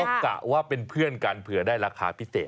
ก็กะว่าเป็นเพื่อนกันเผื่อได้ราคาพิเศษ